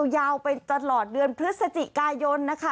ยาวไปตลอดเดือนพฤศจิกายนนะคะ